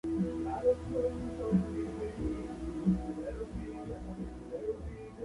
Murió de esclerosis múltiple en Moscú.